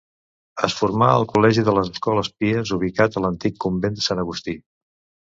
Es formà al Col·legi de les Escoles Pies ubicat a l'antic Convent de Sant Agustí.